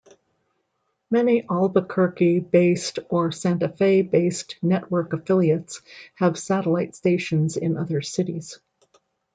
Many Albuquerque-based or Santa Fe-based network affiliates have satellite stations in other cities.